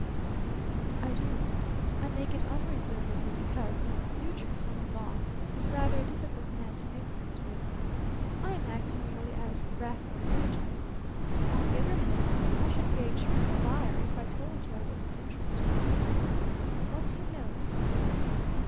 "I do. I make it unreservedly because my future son in law is rather a difficult man to make friends with. I am acting merely as Rathbone's agent. On the other hand, I should be a cheerful liar if I told you I wasn't interested. What do you know?"